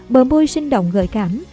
bờ môi sinh động gợi cảm